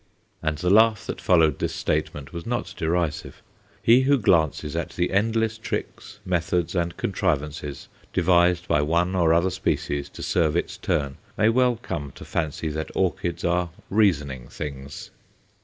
And the laugh that followed this statement was not derisive. He who glances at the endless tricks, methods, and contrivances devised by one or other species to serve its turn may well come to fancy that orchids are reasoning things.